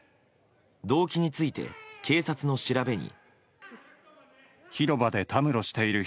動機について、警察の調べに。